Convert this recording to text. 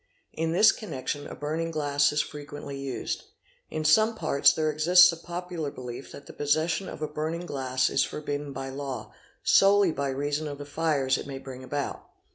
In this connection a burning glass is frequently used. In some parts there exists a popular belief that the possession of a burning glass is forbidden by law, solely by reason of the fires it may bring about.